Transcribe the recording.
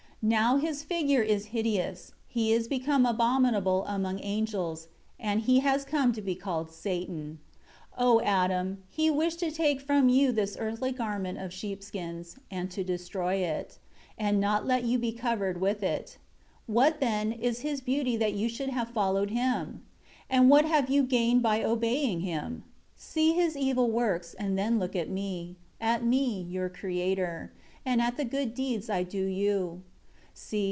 7 Now his figure is hideous; he is become abominable among angels; and he has come to be called Satan. 8 O Adam, he wished to take from you this earthly garment of sheep skins, and to destroy it, and not let you be covered with it. 9 What, then, is his beauty that you should have followed him? And what have you gained by obeying him? See his evil works and then look at Me; at Me, your Creator, and at the good deeds I do you.